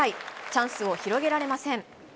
チャンスを広げられません。